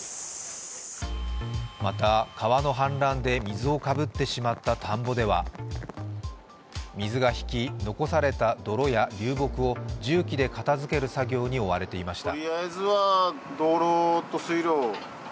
また、川の氾濫で水をかぶってしまった田んぼでは水が引き、残された泥や流木を重機で片づける作業に追われていました。